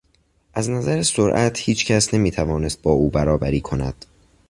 از نظر سرعت هیچ کس نمیتوانست با او برابری کند.